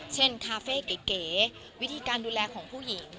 คาเฟ่เก๋วิธีการดูแลของผู้หญิง